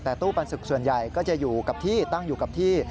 แต่ตู้ปันสุกส่วนใหญ่ก็จะอยู่กับที่ตั้งอยู่กับที่